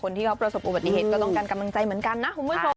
ที่เขาประสบอุบัติเหตุก็ต้องการกำลังใจเหมือนกันนะคุณผู้ชม